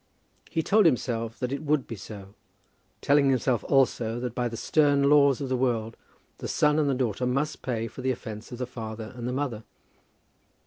He told himself that it would be so, telling himself also that, by the stern laws of the world, the son and the daughter must pay for the offence of the father and the mother.